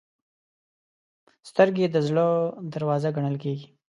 سترګې د زړه دروازه ګڼل کېږي